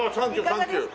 いかがですか？